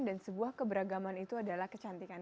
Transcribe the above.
dan sebuah keberagaman itu adalah kecantikan